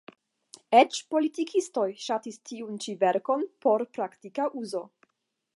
Eĉ politikistoj ŝatis tiun ĉi verkon por praktika uzo.